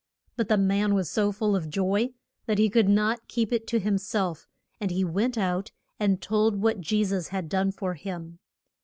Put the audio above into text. But the man was so full of joy that he could not keep it to him self, and he went out and told what Je sus had done for him.